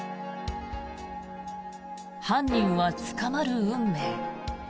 「犯人は捕まる運命」